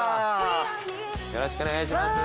よろしくお願いします。